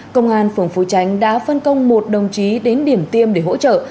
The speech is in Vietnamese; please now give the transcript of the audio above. công an phường phú tránh đã phân công một đồng chí đến điểm tiêm để hỗ trợ